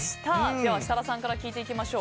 では、設楽さんから聞いていきましょう。